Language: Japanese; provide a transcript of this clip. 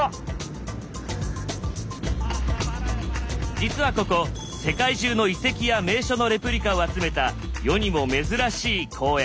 実はここ世界中の遺跡や名所のレプリカを集めた世にも珍しい公園。